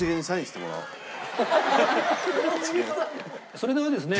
それではですね